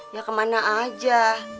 ya kemana aja